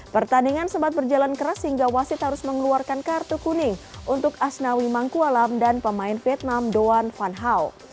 pertandingan sempat berjalan keras hingga wasit harus mengeluarkan kartu kuning untuk asnawi mangkualam dan pemain vietnam doan van hau